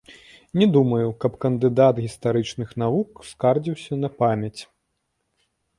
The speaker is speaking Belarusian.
Не думаю, каб кандыдат гістарычных навук скардзіўся на памяць.